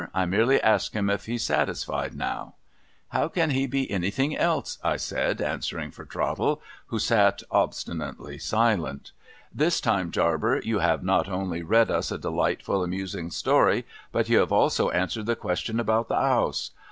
I merely ask him if he is satisfied now ?'' How can he be anything else ?' I said, answering for Trottle, o 194 GOING INTO SOCIETY who sat ol)Stinately silent. ' This time, Jarbcr, you have not only read us a delightfully amusing story, but you have also answered the question about the House.